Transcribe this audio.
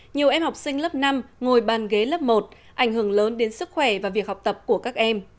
nhiều em học sinh lớp năm ngồi bàn ghế lớp một ảnh hưởng lớn đến sức khỏe và việc học tập của các em